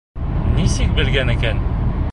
Нисек белгән икән?